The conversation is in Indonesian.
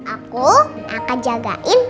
aku akan jagain